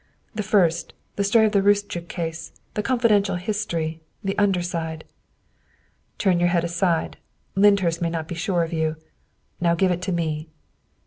" The first. The story of the Roostchook case: the confidential history the under side." '' Turn your head aside ; Lyndhurst may not be sure of you. Now give it to me."